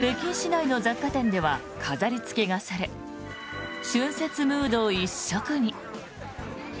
北京市内の雑貨店では飾りつけがされ春節ムード一色に。